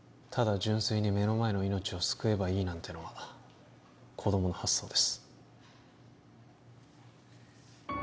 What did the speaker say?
純粋に目の前の命を救えばいいなんてのは子供の発想です